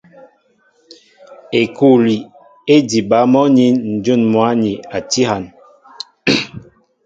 Ekûli é diba mɔ́ nín ǹjún mwǎ ni tí hân.